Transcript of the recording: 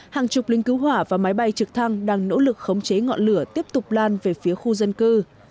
hàng chục lính cứu hỏa và máy bay trực thăng đang nỗ lực khống chế ngọn lửa tiếp tục lan về phía khu dân cư